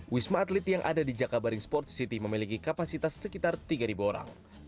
wisma atlet yang ada di jakabaring sport city memiliki kapasitas sekitar tiga orang